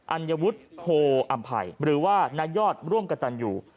อัญวุฒิโพออำภัยหรือว่านายอดร่วมกระตันอยู่